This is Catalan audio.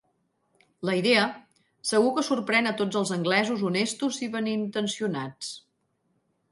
La idea... segur que sorprèn a tots els anglesos honestos i benintencionats.